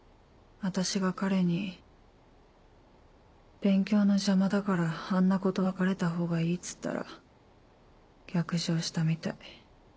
私が彼に「勉強の邪魔だからあんな子と別れたほうがいい」っつったら逆上したみたい。